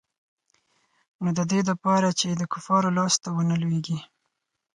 نو د دې د پاره چې د کفارو لاس ته ونه لوېږي.